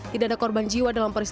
tidak ada korban jiwa dalam peristiwa